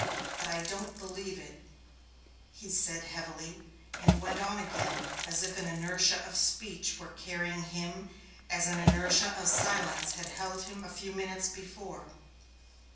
But I don't believe it," he said heavily, and went on again as if an inertia of speech were carrying him as an inertia of silence had held him a few minutes before.